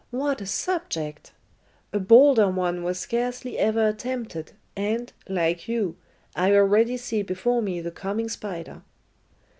What a subject! A bolder one was scarcely ever attempted and, like you, I already see before me the coming spider."